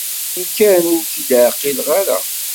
Suref-iyi kan, ur k-id-ɛqileɣ ara.